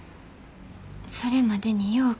それまでによう